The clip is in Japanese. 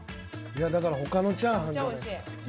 いやだから他のチャーハンじゃないですか？